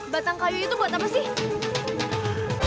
batang kayu itu buat apa sih